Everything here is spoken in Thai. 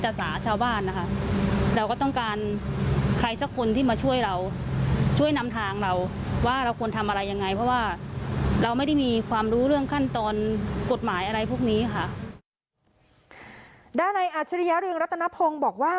ด้านในอาชริยเรืองรัตนพงศ์บอกว่า